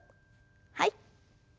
はい。